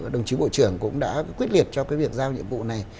đồng chí bộ trưởng cũng đã quyết liệt cho cái việc giao nhiệm vụ này